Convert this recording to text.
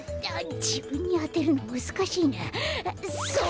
じぶんにあてるのむずかしいな。